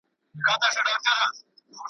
دا خرقه مي د عزت او دولت دام دی .